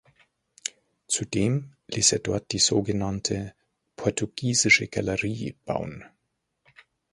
Zudem ließ er dort die so genannte „Portugiesische Galerie“ bauen.